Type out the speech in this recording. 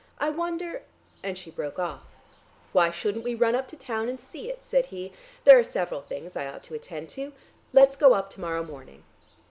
"I wonder " and she broke off. "Why shouldn't we run up to town and see it?" said he. "There are several things I ought to attend to. Lets go up to morrow morning."